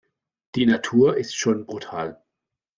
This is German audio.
Die Natur ist schon brutal.